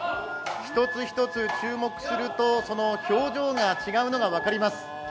一つ一つ注目するとその表情が違うのが分かります。